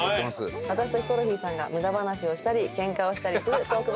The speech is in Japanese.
私とヒコロヒーさんが無駄話をしたりケンカをしたりするトーク番組です。